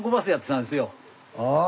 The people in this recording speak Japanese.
ああ。